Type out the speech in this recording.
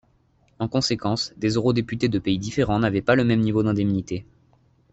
En conséquence, des eurodéputés de pays différents n'avaient pas le même niveau d'indemnité.